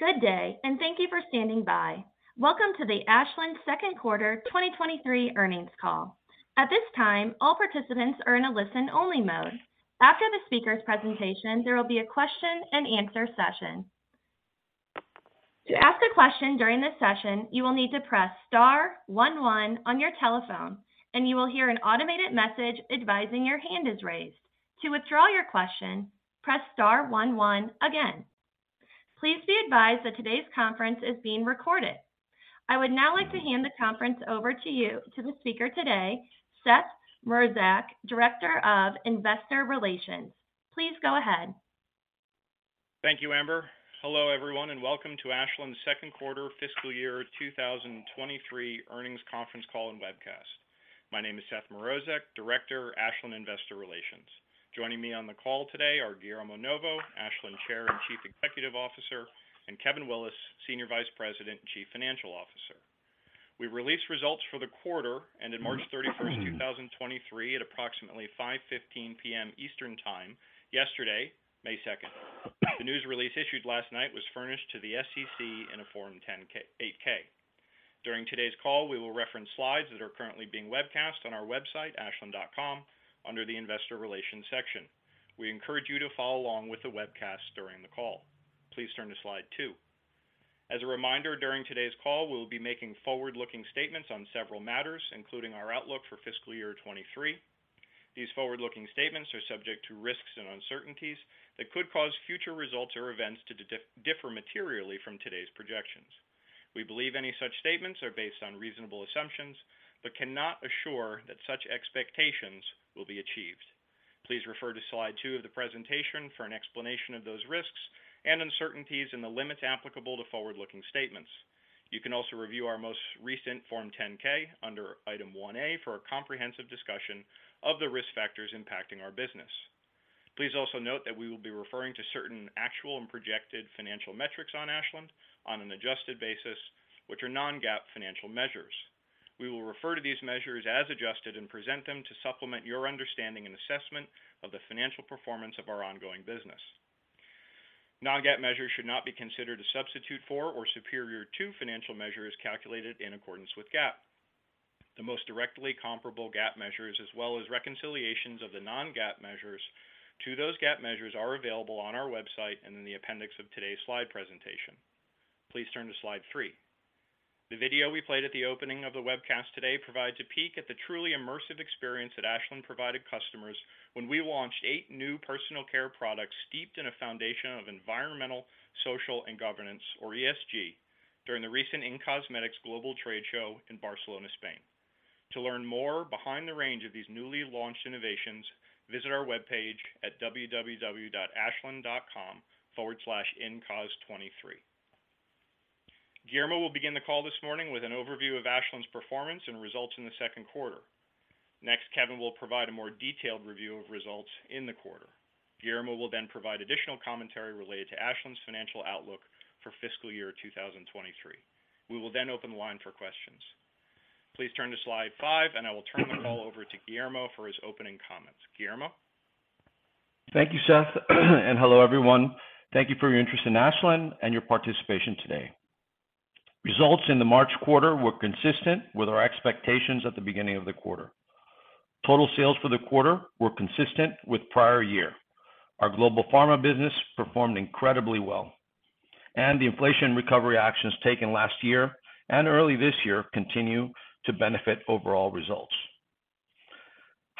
Good day. Thank you for standing by. Welcome to the Ashland Q2 2023 Earnings Call. At this time, all participants are in a listen-only mode. After the speaker's presentation, there will be a question-and-answer session. To ask a question during this session, you will need to press star one one on your telephone, and you will hear an automated message advising your hand is raised. To withdraw your question, press star one one again. Please be advised that today's conference is being recorded. I would now like to hand the conference over to the speaker today, Seth Mrozek, Director of Investor Relations. Please go ahead. Thank you, Amber. Hello, everyone, and welcome to Ashland Q2 fiscal year 2023 earnings conference call and webcast. My name is Seth Mrozek, Director, Ashland Investor Relations. Joining me on the call today are Guillermo Novo, Ashland Chair and Chief Executive Officer, and Kevin Willis, Senior Vice President and Chief Financial Officer. We released results for the quarter, ended March 31, 2023 at approximately 5:15 P.M. Eastern Time yesterday, May 2. The news release issued last night was furnished to the SEC in a Form 8-K. During today's call, we will reference slides that are currently being webcast on our website, ashland.com, under the Investor Relations section. We encourage you to follow along with the webcast during the call. Please turn to slide two. As a reminder, during today's call, we'll be making forward-looking statements on several matters, including our outlook for fiscal year 2023. These forward-looking statements are subject to risks and uncertainties that could cause future results or events to differ materially from today's projections. We believe any such statements are based on reasonable assumptions, but cannot assure that such expectations will be achieved. Please refer to slide two of the presentation for an explanation of those risks and uncertainties and the limits applicable to forward-looking statements. You can also review our most recent Form 10-K under item one A for a comprehensive discussion of the risk factors impacting our business. Please also note that we will be referring to certain actual and projected financial metrics on Ashland on an adjusted basis, which are non-GAAP financial measures. We will refer to these measures as adjusted and present them to supplement your understanding and assessment of the financial performance of our ongoing business. Non-GAAP measures should not be considered a substitute for or superior to financial measures calculated in accordance with GAAP. The most directly comparable GAAP measures as well as reconciliations of the non-GAAP measures to those GAAP measures are available on our website and in the appendix of today's slide presentation. Please turn to slide three. The video we played at the opening of the webcast today provides a peek at the truly immersive experience that Ashland provided customers when we launched EIGHT new Personal Care products steeped in a foundation of environmental, social, and governance, or ESG, during the recent in-cosmetics Global trade show in Barcelona, Spain. To learn more behind the range of these newly launched innovations, visit our webpage at www.ashland.com/incos23. Guillermo will begin the call this morning with an overview of Ashland's performance and results in the Q2. Next, Kevin will provide a more detailed review of results in the quarter. Guillermo will then provide additional commentary related to Ashland's financial outlook for fiscal year 2023. We will open the line for questions. Please turn to slide five. I will turn the call over to Guillermo for his opening comments. Guillermo? Thank you, Seth, and hello, everyone. Thank you for your interest in Ashland and your participation today. Results in the March quarter were consistent with our expectations at the beginning of the quarter. Total sales for the quarter were consistent with prior year. Our global pharma business performed incredibly well, and the inflation recovery actions taken last year and early this year continue to benefit overall results.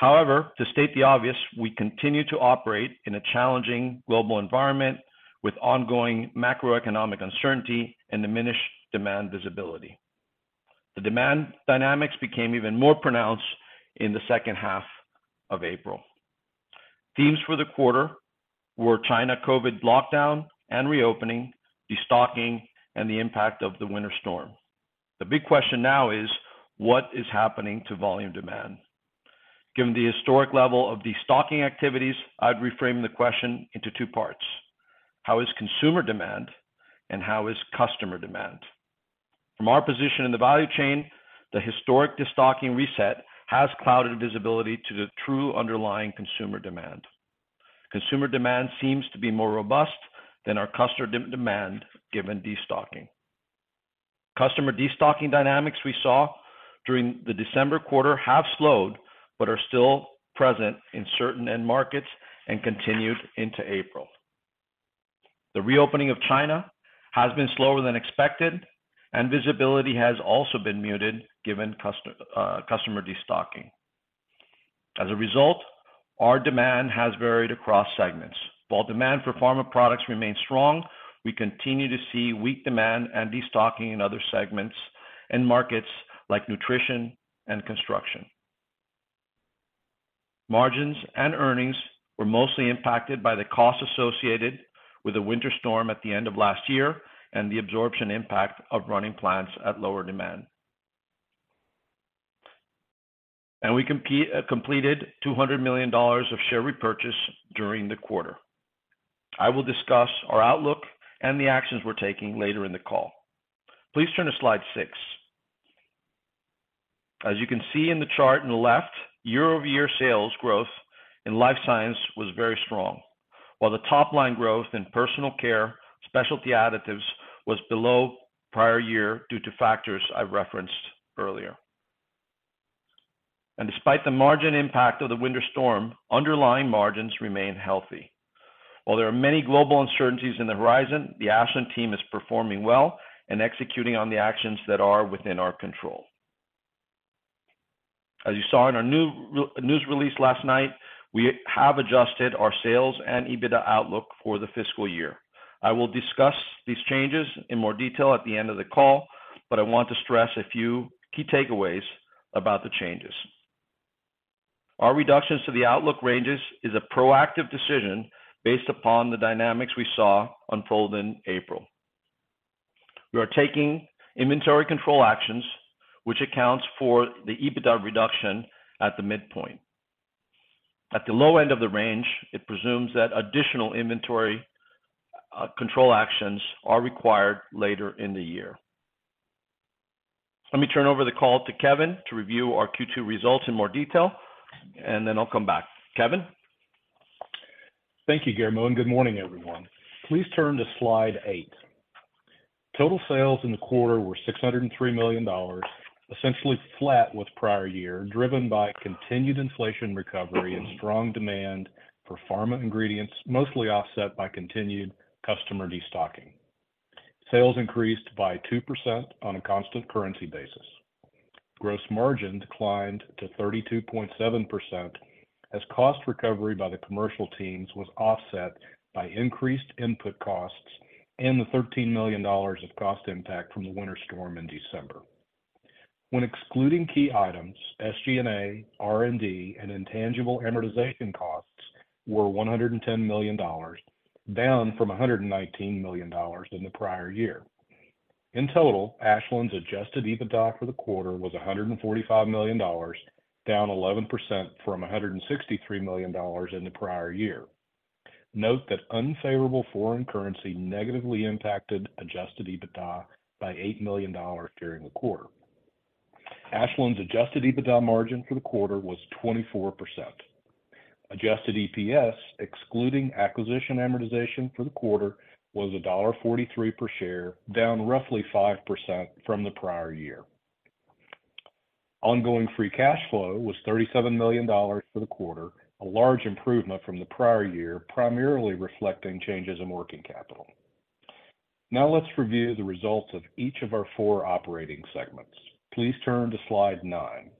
To state the obvious, we continue to operate in a challenging global environment with ongoing macroeconomic uncertainty and diminished demand visibility. The demand dynamics became even more pronounced in the second half of April. Themes for the quarter were China COVID lockdown and reopening, destocking, and the impact of the winter storm. The big question now is: What is happening to volume demand? Given the historic level of destocking activities, I'd reframe the question into two parts. How is consumer demand and how is customer demand? From our position in the value chain, the historic destocking reset has clouded visibility to the true underlying consumer demand. Consumer demand seems to be more robust than our customer de-demand, given destocking. Customer destocking dynamics we saw during the December quarter have slowed but are still present in certain end markets and continued into April. The reopening of China has been slower than expected, and visibility has also been muted given customer destocking. As a result, our demand has varied across segments. While demand for pharma products remains strong, we continue to see weak demand and destocking in other segments and markets like nutrition and construction. Margins and earnings were mostly impacted by the costs associated with the winter storm at the end of last year and the absorption impact of running plants at lower demand. We completed $200 million of share repurchase during the quarter. I will discuss our outlook and the actions we're taking later in the call. Please turn to slide six. As you can see in the chart on the left, year-over-year sales growth in Life Sciences was very strong. While the top-line growth in Personal Care, Specialty Additives was below prior year due to factors I referenced earlier. Despite the margin impact of the winter storm, underlying margins remain healthy. While there are many global uncertainties in the horizon, the Ashland team is performing well and executing on the actions that are within our control. As you saw in our new news release last night, we have adjusted our sales and EBITDA outlook for the fiscal year. I will discuss these changes in more detail at the end of the call. I want to stress a few key takeaways about the changes. Our reductions to the outlook ranges is a proactive decision based upon the dynamics we saw unfold in April. We are taking inventory control actions, which accounts for the EBITDA reduction at the midpoint. At the low end of the range, it presumes that additional inventory control actions are required later in the year. Let me turn over the call to Kevin to review our Q2 results in more detail. I'll come back. Kevin? Thank you, Guillermo. Good morning, everyone. Please turn to slide eight. Total sales in the quarter were $603 million, essentially flat with prior year, driven by continued inflation recovery and strong demand for pharma ingredients, mostly offset by continued customer destocking. Sales increased by 2% on a constant currency basis. Gross margin declined to 32.7% as cost recovery by the commercial teams was offset by increased input costs and the $13 million of cost impact from the winter storm in December. When excluding key items, SG&A, R&D, and intangible amortization costs were $110 million, down from $119 million in the prior year. In total, Ashland's adjusted EBITDA for the quarter was $145 million, down 11% from $163 million in the prior year. Note that unfavorable foreign currency negatively impacted adjusted EBITDA by $8 million during the quarter. Ashland's adjusted EBITDA margin for the quarter was 24%. Adjusted EPS, excluding acquisition amortization for the quarter, was $1.43 per share, down roughly 5% from the prior year. Ongoing free cash flow was $37 million for the quarter, a large improvement from the prior year, primarily reflecting changes in working capital. Let's review the results of each of our four operating segments. Please turn to slide nine.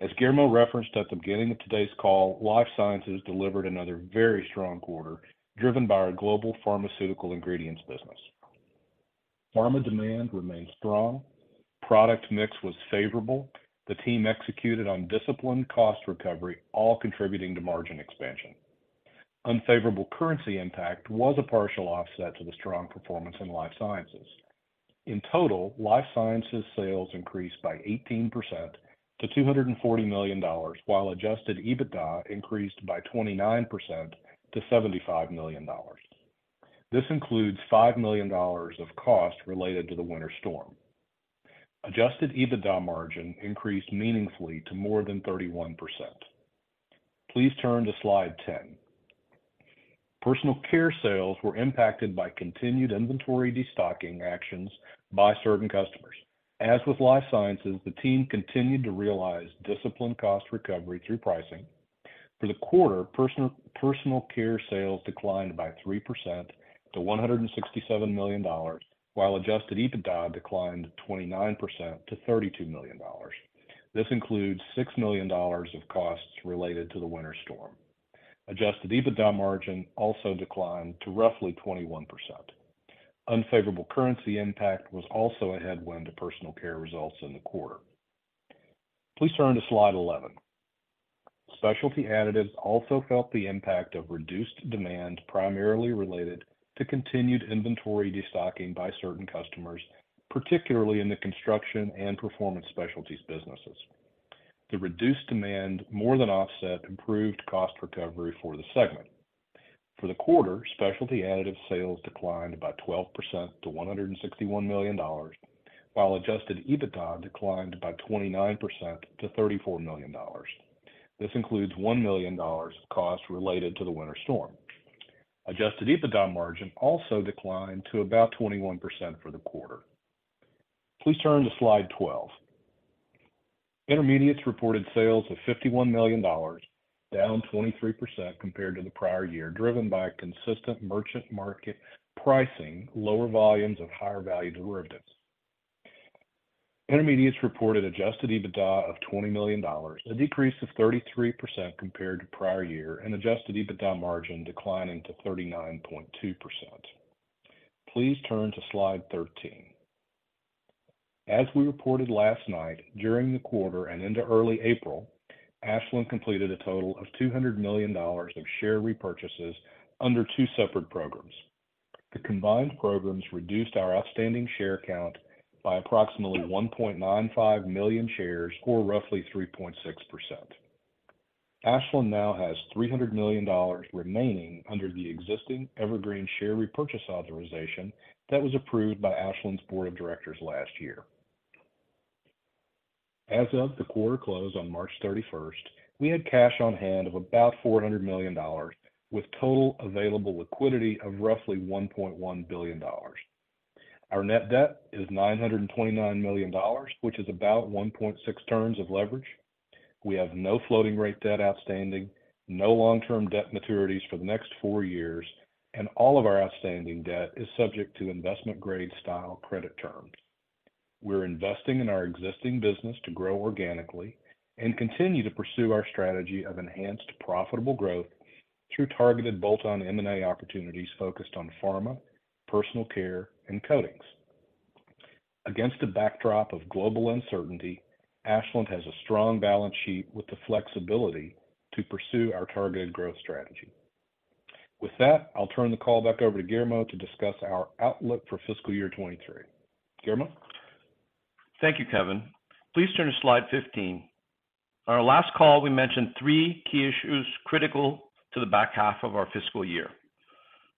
As Guillermo referenced at the beginning of today's call, Life Sciences delivered another very strong quarter, driven by our global pharmaceutical ingredients business. Pharma demand remained strong. Product mix was favorable. The team executed on disciplined cost recovery, all contributing to margin expansion. Unfavorable currency impact was a partial offset to the strong performance in Life Sciences. In total, Life Sciences sales increased by 18% to $240 million while adjusted EBITDA increased by 29% to $75 million. This includes $5 million of cost related to the winter storm. Adjusted EBITDA margin increased meaningfully to more than 31%. Please turn to slide 10. Personal Care sales were impacted by continued inventory destocking actions by certain customers. As with Life Sciences, the team continued to realize disciplined cost recovery through pricing. For the quarter, Personal Care sales declined by 3% to $167 million while adjusted EBITDA declined 29% to $32 million. This includes $6 million of costs related to the winter storm. Adjusted EBITDA margin also declined to roughly 21%. Unfavorable currency impact was also a headwind to Personal Care results in the quarter. Please turn to slide 11. Specialty Additives also felt the impact of reduced demand, primarily related to continued inventory destocking by certain customers, particularly in the construction and Performance Specialties businesses. The reduced demand more than offset improved cost recovery for the segment. For the quarter, Specialty Additives sales declined by 12% to $161 million while adjusted EBITDA declined by 29% to $34 million. This includes $1 million of costs related to the winter storm. Adjusted EBITDA margin also declined to about 21% for the quarter. Please turn to slide 12. Intermediates reported sales of $51 million, down 23% compared to the prior year, driven by consistent merchant market pricing, lower volumes of higher value derivatives. Intermediates reported adjusted EBITDA of $20 million, a decrease of 33% compared to prior year, and adjusted EBITDA margin declining to 39.2%. Please turn to slide 13. As we reported last night, during the quarter and into early April, Ashland completed a total of $200 million of share repurchases under two separate programs. The combined programs reduced our outstanding share count by approximately 1.95 million shares or roughly 3.6%. Ashland now has $300 million remaining under the existing evergreen share repurchase authorization that was approved by Ashland's board of directors last year. As of the quarter close on March 31st, we had cash on hand of about $400 million, with total available liquidity of roughly $1.1 billion. Our net debt is $929 million, which is about 1.6x of leverage. We have no floating rate debt outstanding, no long-term debt maturities for the next four years. All of our outstanding debt is subject to investment grade style credit terms. We're investing in our existing business to grow organically and continue to pursue our strategy of enhanced profitable growth through targeted bolt-on M&A opportunities focused on pharma, Personal Care, and coatings. Against a backdrop of global uncertainty, Ashland has a strong balance sheet with the flexibility to pursue our targeted growth strategy. With that, I'll turn the call back over to Guillermo to discuss our outlook for fiscal year 2023. Guillermo? Thank you, Kevin. Please turn to slide 15. On our last call, we mentioned three key issues critical to the back half of our fiscal year: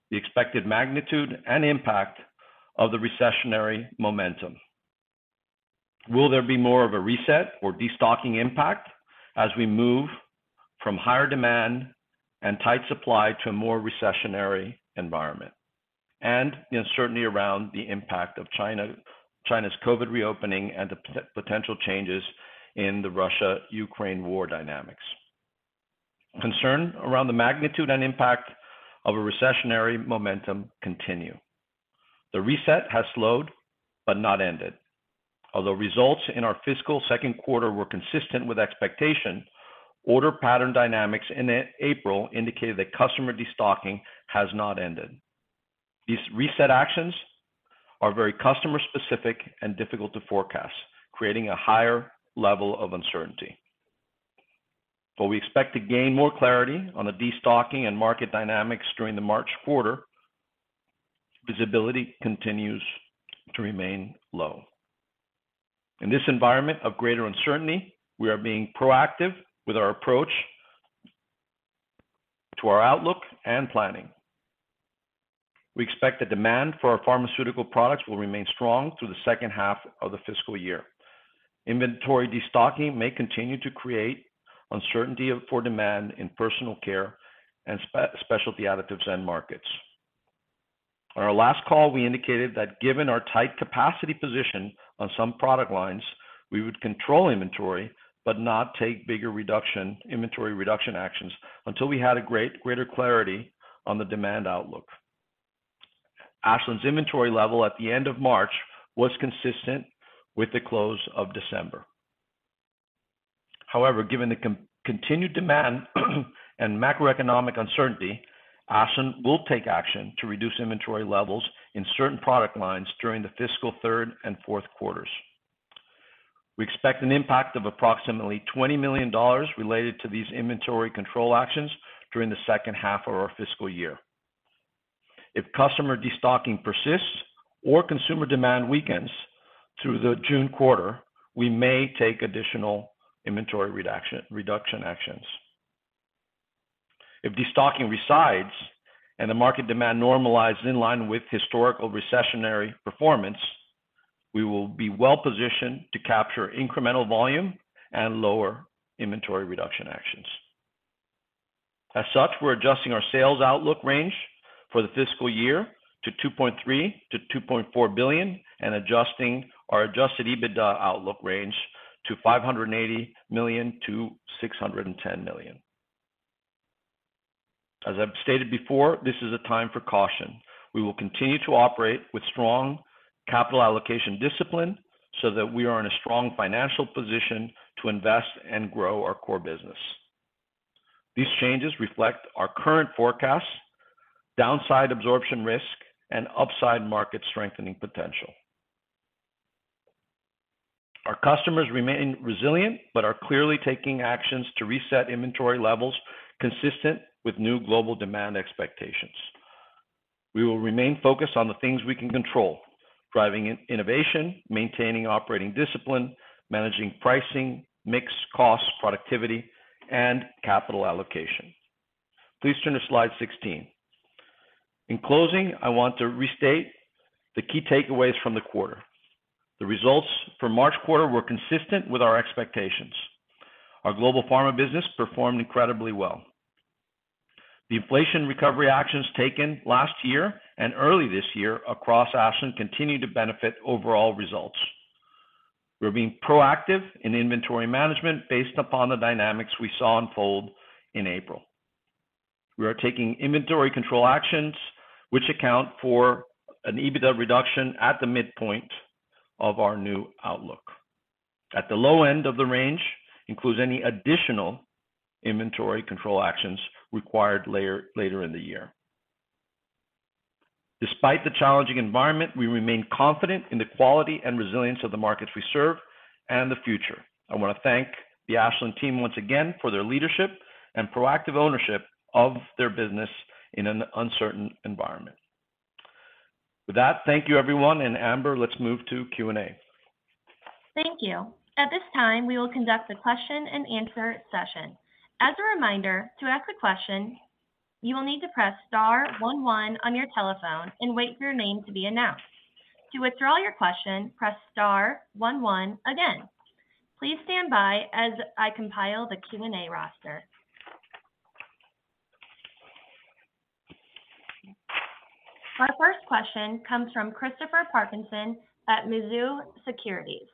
the expected magnitude and impact of the recessionary momentum. Will there be more of a reset or destocking impact as we move from higher demand and tight supply to a more recessionary environment? The uncertainty around the impact of China's COVID reopening and the potential changes in the Russia-Ukraine war dynamics. Concern around the magnitude and impact of a recessionary momentum continue. The reset has slowed but not ended. Although results in our fiscal Q2 were consistent with expectation, order pattern dynamics in April indicated that customer destocking has not ended. These reset actions are very customer-specific and difficult to forecast, creating a higher level of uncertainty. While we expect to gain more clarity on the destocking and market dynamics during the March quarter, visibility continues to remain low. In this environment of greater uncertainty, we are being proactive with our approach to our outlook and planning. We expect the demand for our pharmaceutical products will remain strong through the second half of the fiscal year. Inventory destocking may continue to create uncertainty for demand in Personal Care and Specialty Additives end markets. On our last call, we indicated that given our tight capacity position on some product lines, we would control inventory but not take bigger inventory reduction actions until we had greater clarity on the demand outlook. Ashland's inventory level at the end of March was consistent with the close of December. Given the continued demand and macroeconomic uncertainty, Ashland will take action to reduce inventory levels in certain product lines during the fiscal third and fourth quarters. We expect an impact of approximately $20 million related to these inventory control actions during the second half of our fiscal year. If customer destocking persists or consumer demand weakens through the June quarter, we may take additional inventory reduction actions. If destocking resides and the market demand normalizes in line with historical recessionary performance, we will be well-positioned to capture incremental volume and lower inventory reduction actions. We're adjusting our sales outlook range for the fiscal year to $2.3 billion-$2.4 billion and adjusting our adjusted EBITDA outlook range to $580 million-$610 million. I've stated before, this is a time for caution. We will continue to operate with strong capital allocation discipline so that we are in a strong financial position to invest and grow our core business. These changes reflect our current forecasts, downside absorption risk, and upside market strengthening potential. Our customers remain resilient, are clearly taking actions to reset inventory levels consistent with new global demand expectations. We will remain focused on the things we can control, driving innovation, maintaining operating discipline, managing pricing, mix costs, productivity, and capital allocation. Please turn to slide 16. In closing, I want to restate the key takeaways from the quarter. The results for March quarter were consistent with our expectations. Our global pharma business performed incredibly well. The inflation recovery actions taken last year and early this year across Ashland continue to benefit overall results. We're being proactive in inventory management based upon the dynamics we saw unfold in April. We are taking inventory control actions which account for an EBITDA reduction at the midpoint of our new outlook. At the low end of the range includes any additional inventory control actions required later in the year. Despite the challenging environment, we remain confident in the quality and resilience of the markets we serve and the future. I wanna thank the Ashland team once again for their leadership and proactive ownership of their business in an uncertain environment. With that, thank you everyone, and Amber, let's move to Q&A. Thank you. At this time, we will conduct a question-and-answer session. As a reminder, to ask a question, you will need to press star one one on your telephone and wait for your name to be announced. To withdraw your question, press star one one again. Please stand by as I compile the Q&A roster. My first question comes from Christopher Parkinson at Mizuho Securities.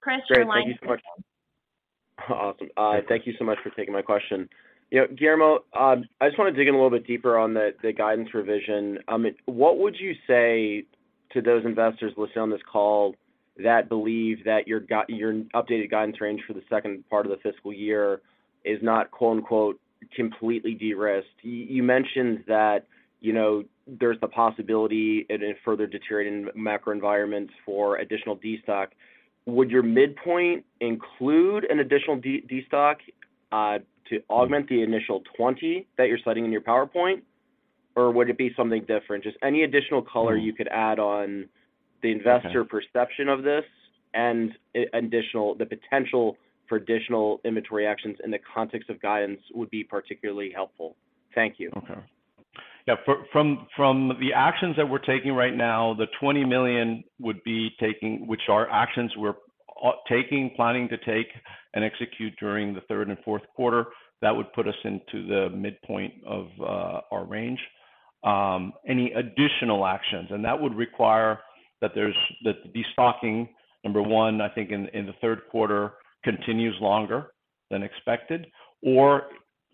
Chris, your line is open. Awesome. Thank you so much for taking my question. You know, Guillermo, I just want to dig in a little bit deeper on the guidance revision. What would you say to those investors listening on this call that believe that your updated guidance range for the second part of the fiscal year is not quote-unquote, "completely de-risked"? You mentioned that, you know, there's the possibility in a further deteriorating macro environment for additional destock. Would your midpoint include an additional destock to augment the initial 20 that you're citing in your PowerPoint, or would it be something different? Just any additional color you could add on the investor perception of this and additional the potential for additional inventory actions in the context of guidance would be particularly helpful. Thank you. Okay. Yeah. From the actions that we're taking right now, the $20 million would be taking, which are actions we're taking, planning to take, and execute during the Q3 and Q4, that would put us into the midpoint of our range. Any additional actions, that would require that the destocking, number one, I think in the Q3, continues longer than expected.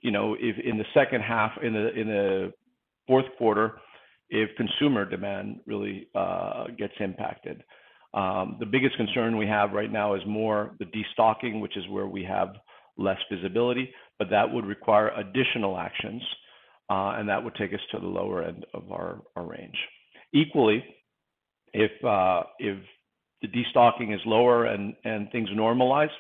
You know, if in the second half, in the fourth quarter, if consumer demand really gets impacted. The biggest concern we have right now is more the destocking, which is where we have less visibility, but that would require additional actions, and that would take us to the lower end of our range. Equally, if the destocking is lower and things normalize,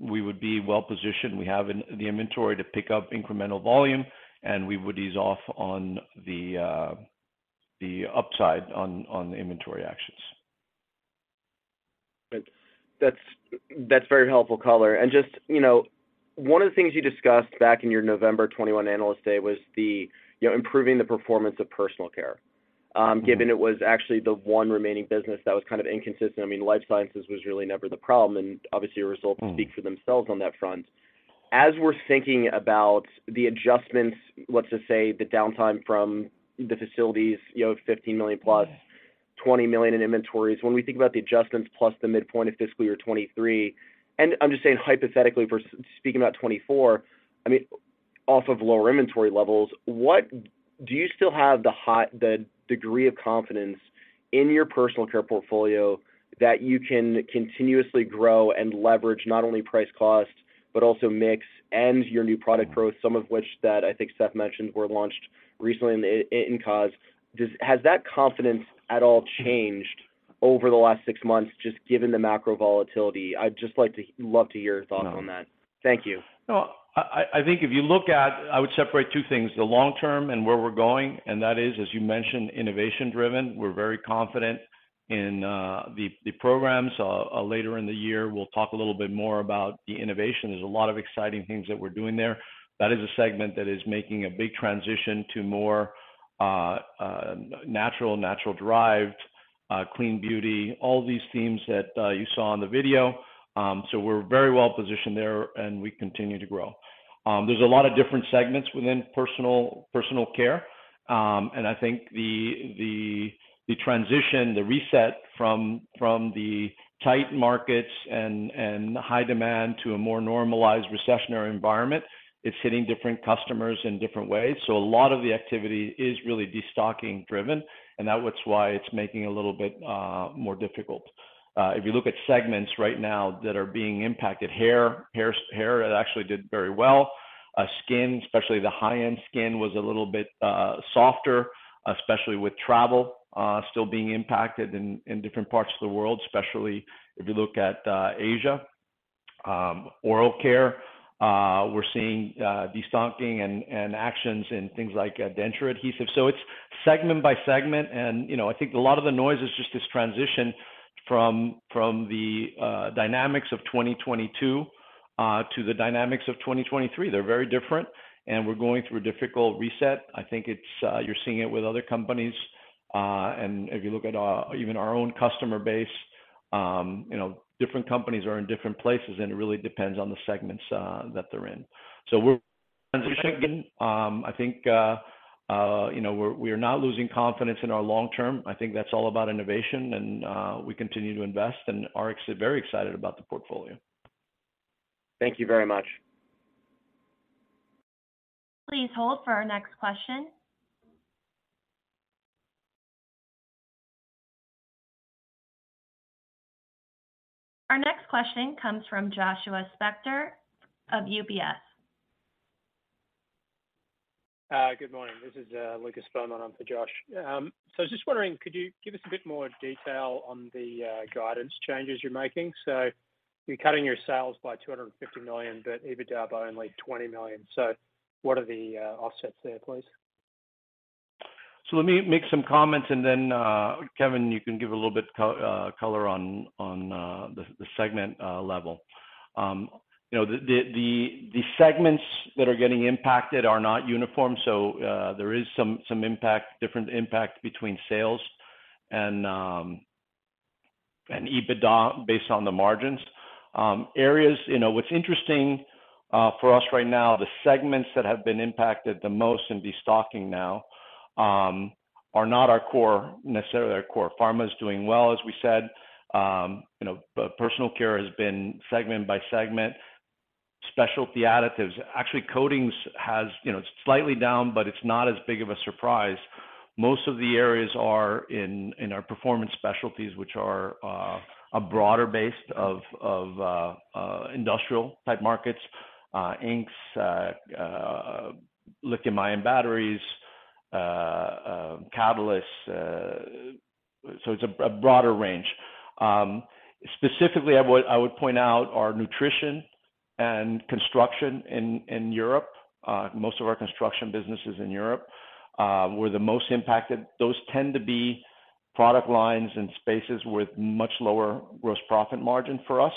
we would be well-positioned. We have in, the inventory to pick up incremental volume, and we would ease off on the upside on the inventory actions. That's very helpful color. Just, you know, one of the things you discussed back in your November 2021 Analyst Day was the, you know, improving the performance of Personal Care, given it was actually the one remaining business that was kind of inconsistent. I mean, Life Sciences was really never the problem, and obviously your results speak for themselves on that front. As we're thinking about the adjustments, let's just say the downtime from the facilities, you have $15 million plus, $20 million in inventories. When we think about the adjustments plus the midpoint of fiscal year 2023, I mean, off of lower inventory levels, what do you still have the degree of confidence in your Personal Care portfolio that you can continuously grow and leverage not only price cost, but also mix and your new product growth, some of which that I think Seth mentioned were launched recently in COS. Has that confidence at all changed over the last six months just given the macro volatility? I'd just love to hear your thoughts on that. Thank you. No. I think I would separate two things, the long term and where we're going, and that is, as you mentioned, innovation driven. We're very confident in the programs. Later in the year, we'll talk a little bit more about the innovation. There's a lot of exciting things that we're doing there. That is a segment that is making a big transition to more natural derived, clean beauty, all these themes that you saw in the video. We're very well-positioned there, and we continue to grow. There's a lot of different segments within Personal Care. I think the transition, the reset from the tight markets and high demand to a more normalized recessionary environment, it's hitting different customers in different ways. A lot of the activity is really destocking driven, and that was why it's making a little bit more difficult. If you look at segments right now that are being impacted, hair actually did very well. Skin, especially the high-end skin, was a little bit softer, especially with travel still being impacted in different parts of the world, especially if you look at Asia. Oral care, we're seeing destocking and actions in things like denture adhesive. It's segment by segment. You know, I think a lot of the noise is just this transition from the dynamics of 2022 to the dynamics of 2023. They're very different, and we're going through a difficult reset. I think it's, you're seeing it with other companies. If you look at even our own customer base, different companies are in different places, and it really depends on the segments that they're in. We're not losing confidence in our long term. That's all about innovation, and we continue to invest and are very excited about the portfolio. Thank you very much. Please hold for our next question. Our next question comes from Joshua Spector of UBS. Good morning. This is Lucas Spelman. I'm for Josh. Just wondering, could you give us a bit more detail on the guidance changes you're making? You're cutting your sales by $250 million, but EBITDA by only $20 million. What are the offsets there, please? Let me make some comments, and then Kevin, you can give a little bit color on the segment level. You know, the segments that are getting impacted are not uniform, so there is some impact, different impact between sales and EBITDA based on the margins. You know, what's interesting for us right now, the segments that have been impacted the most in destocking now are not our core, necessarily our core. Pharma's doing well, as we said. You know, but Personal Care has been segment by segment. Specialty Additives. Actually, Coatings has, you know, it's slightly down, but it's not as big of a surprise. Most of the areas are in our Performance Specialties, which are a broader base of industrial type markets, inks, lithium-ion batteries, catalysts. It's a broader range. Specifically, I would point out our nutrition and construction in Europe, most of our construction business is in Europe, we're the most impacted. Those tend to be product lines and spaces with much lower gross profit margin for us.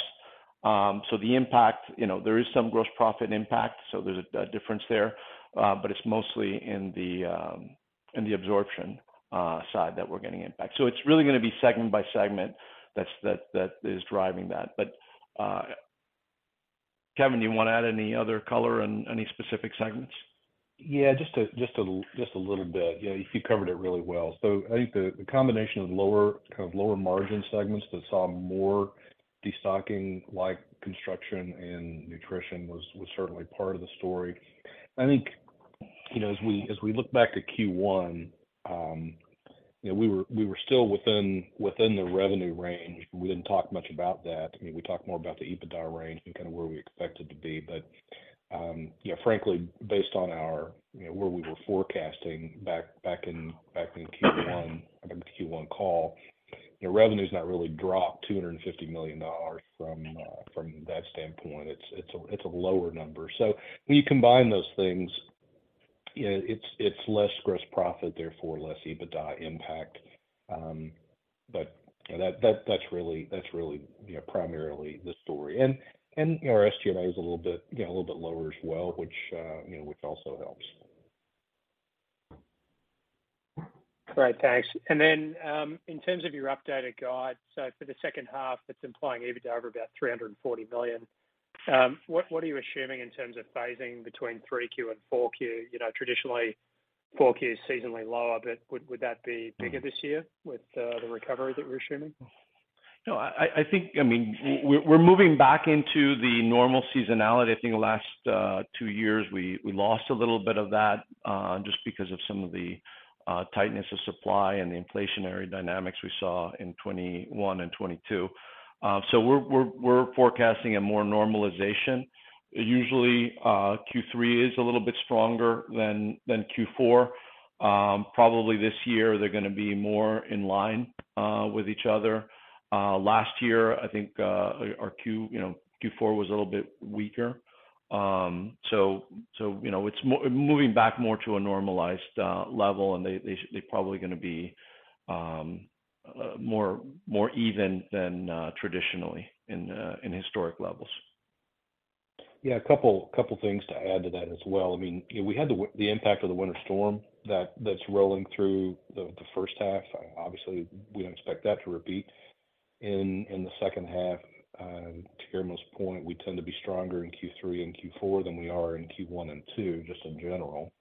The impact, you know, there is some gross profit impact, so there's a difference there, but it's mostly in the absorption side that we're getting impact. It's really gonna be segment by segment that's that is driving that. Kevin, do you wanna add any other color on any specific segments? Just a little bit. You covered it really well. I think the combination of lower, kind of, lower margin segments that saw more destocking, like construction and nutrition was certainly part of the story. I think, you know, as we look back at Q1, you know, we were still within the revenue range. We didn't talk much about that. I mean, we talked more about the EBITDA range and kind of where we expect it to be. You know, frankly, based on our, you know, where we were forecasting back in Q1, I think the Q1 call, you know, revenue's not really dropped $250 million from that standpoint. It's a lower number. When you combine those things, you know, it's less gross profit, therefore less EBITDA impact. You know, that's really, you know, primarily the story. Our SG&A is a little bit, you know, a little bit lower as well, which, you know, which also helps. Great. Thanks. In terms of your updated guide, for the second half, that's implying EBITDA of about $340 million. What are you assuming in terms of phasing between 3Q and 4Q? You know, traditionally, 4Q is seasonally lower, but would that be bigger this year with the recovery that you're assuming? No, I think, I mean, we're moving back into the normal seasonality. I think the last two years we lost a little bit of that just because of some of the tightness of supply and the inflationary dynamics we saw in 2021 and 2022. We're forecasting a more normalization. Usually, Q3 is a little bit stronger than Q4. Probably this year they're gonna be more in line with each other. Last year, I think, our Q, you know, Q4 was a little bit weaker. You know, it's moving back more to a normalized level, and they probably gonna be more even than traditionally in historic levels. Yeah, a couple things to add to that as well. I mean, you know, we had the impact of the winter storm that's rolling through the first half. Obviously, we don't expect that to repeat. In the second half, to Guillermo's point, we tend to be stronger in Q3 and Q4 than we are in Q1 and Q2, just in general.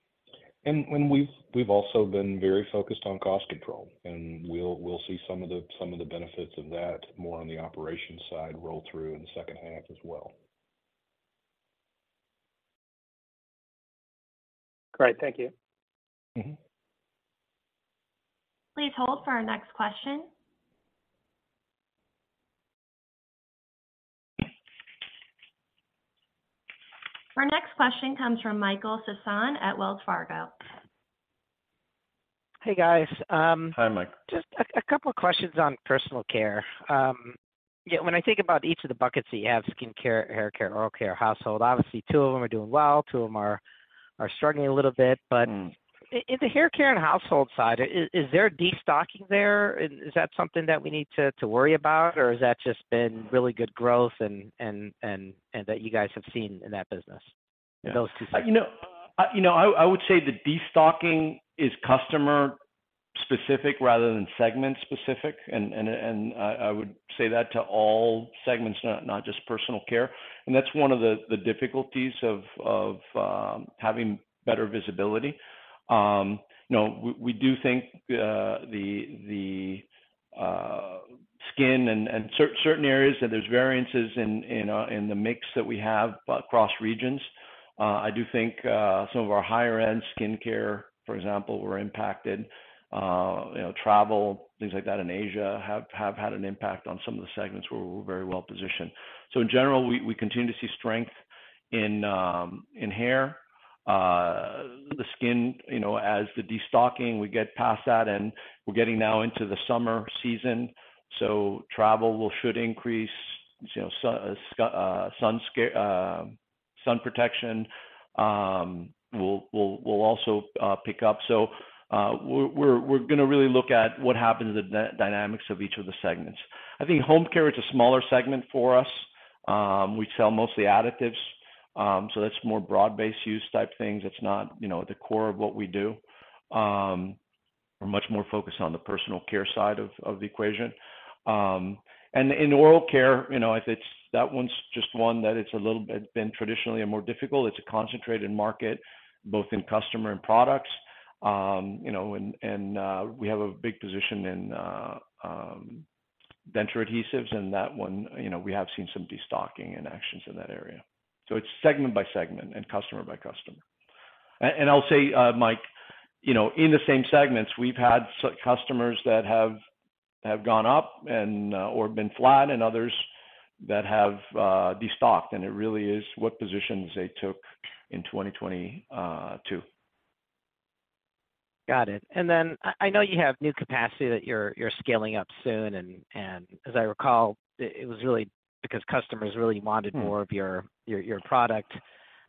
We've also been very focused on cost control, and we'll see some of the benefits of that more on the operations side roll through in the second half as well. Great. Thank you. Mm-hmm. Please hold for our next question. Our next question comes from Michael Sison at Wells Fargo. Hey, guys. Hi, Mike. Just a couple questions on Personal Care. You know, when I think about each of the buckets that you have, skincare, haircare, oral care, household, obviously two of them are doing well, two of them are struggling a little bit. Mm. In the haircare and household side, is there destocking there? Is that something that we need to worry about, or has that just been really good growth and that you guys have seen in that business? Yeah In those two segments? You know, you know, I would say the destocking is customer specific rather than segment specific. I would say that to all segments, not just Personal Care. That's one of the difficulties of having better visibility. You know, we do think the skin and certain areas that there's variances in the mix that we have across regions. I do think some of our higher end skincare, for example, were impacted. You know, travel, things like that in Asia have had an impact on some of the segments where we're very well positioned. In general, we continue to see strength in hair. The skin, you know, as the destocking, we get past that, and we're getting now into the summer season, travel should increase, you know, sun protection will also pick up. We're gonna really look at what happens with the dynamics of each of the segments. I think home care is a smaller segment for us. We sell mostly additives, so that's more broad-based use type things. It's not, you know, at the core of what we do. We're much more focused on the Personal Care side of the equation. In oral care, you know, that one's just one that it's a little bit been traditionally more difficult. It's a concentrated market, both in customer and products. You know, and, we have a big position in denture adhesives, and that one, you know, we have seen some destocking and actions in that area. It's segment by segment and customer by customer. I'll say, Mike, you know, in the same segments, we've had customers that have gone up or been flat and others that have destocked, and it really is what positions they took in 2022. Got it. I know you have new capacity that you're scaling up soon, and as I recall, it was really because customers really wanted more of your product.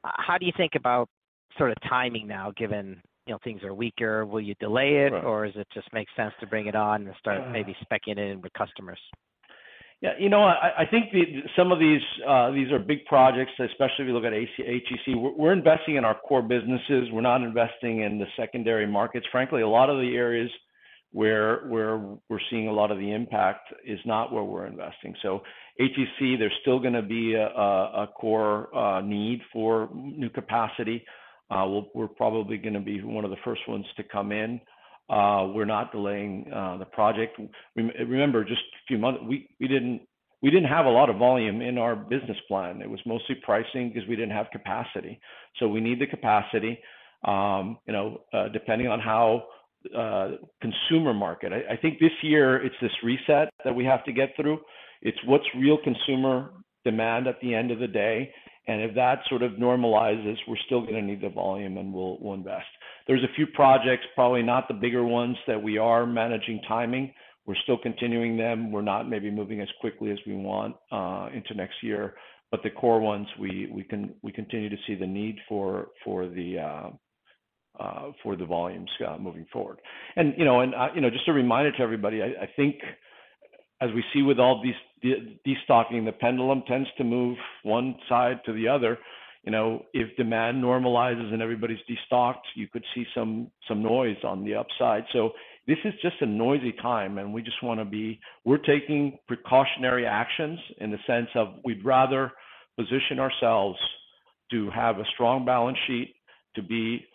How do you think about sort of timing now, given, you know, things are weaker, will you delay it? Right. Does it just make sense to bring it on and start maybe specking it in with customers? Yeah. You know, I think some of these are big projects, especially if you look at HEC. We're investing in our core businesses. We're not investing in the secondary markets. Frankly, a lot of the areas where we're seeing a lot of the impact is not where we're investing. HEC, there's still gonna be a core need for new capacity. We're probably gonna be one of the first ones to come in. We're not delaying the project. Remember, just a few months we didn't have a lot of volume in our business plan. It was mostly pricing because we didn't have capacity. We need the capacity, you know, depending on how consumer market. I think this year, it's this reset that we have to get through. It's what's real consumer demand at the end of the day. If that sort of normalizes, we're still gonna need the volume, and we'll invest. There's a few projects, probably not the bigger ones, that we are managing timing. We're still continuing them. We're not maybe moving as quickly as we want into next year, but the core ones, we continue to see the need for the volumes moving forward. You know, and, you know, just a reminder to everybody, I think as we see with all these destocking, the pendulum tends to move one side to the other. You know, if demand normalizes and everybody's destocked, you could see some noise on the upside. This is just a noisy time, and we just wanna be... We're taking precautionary actions in the sense of we'd rather position ourselves to have a strong balance sheet, to be,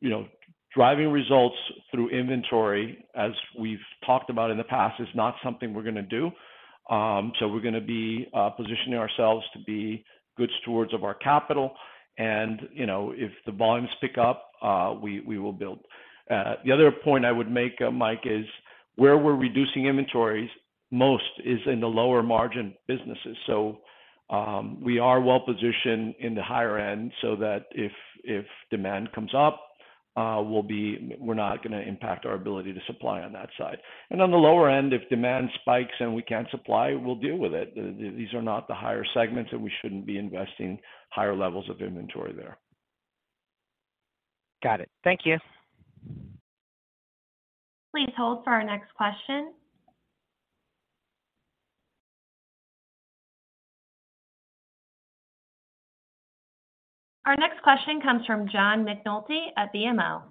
you know, driving results through inventory, as we've talked about in the past, is not something we're gonna do. We're gonna be positioning ourselves to be good stewards of our capital and, you know, if the volumes pick up, we will build. The other point I would make, Mike, is where we're reducing inventories most is in the lower margin businesses. We are well positioned in the higher end so that if demand comes up, we're not gonna impact our ability to supply on that side. On the lower end, if demand spikes and we can't supply, we'll deal with it. These are not the higher segments, and we shouldn't be investing higher levels of inventory there. Got it. Thank you. Mm-hmm. Please hold for our next question. Our next question comes from John McNulty at BMO.